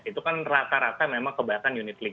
itu kan rata rata memang kebanyakan unit link